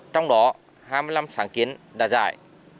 trong đó hai mươi năm sáng kiến đã giải